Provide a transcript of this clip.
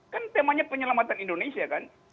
kan temanya penyelamatan indonesia